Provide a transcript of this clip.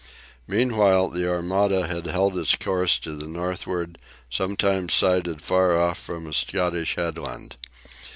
Meanwhile, the Armada had held its course to the northward, sometimes sighted far off from a Scottish headland.